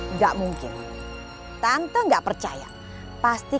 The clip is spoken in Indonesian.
nggak mungkin tante gak percaya pasti